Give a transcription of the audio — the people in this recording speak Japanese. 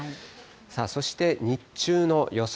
さあそして、日中の予想